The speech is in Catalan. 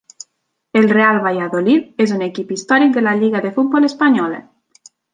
El Real Valladolid és un equip històric de la Lliga de Futbol Espanyola.